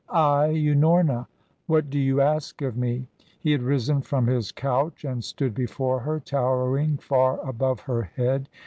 "I, Unorna " "What do you ask of me?" He had risen from his couch and stood before her, towering far above her head.